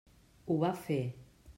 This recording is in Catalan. Ho va fer.